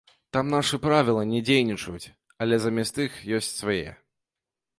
Там нашы правілы не дзейнічаюць, але замест іх ёсць свае.